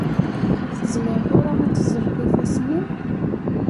Ur tezmireḍ ara ad teẓẓleḍ ifassen-im?